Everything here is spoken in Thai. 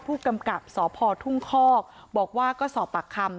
ผู้กำกับสพทุ่งคอกบอกว่าก็สอบปากคำ